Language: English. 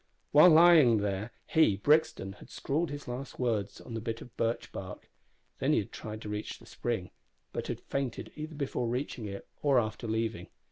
While lying there he Brixton had scrawled his last words on the bit of birch bark. Then he had tried to reach the spring, but had fainted either before reaching it or after leaving.